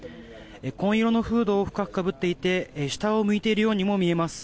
紺色のフードを深くかぶっていて下を向いているようにも見えます。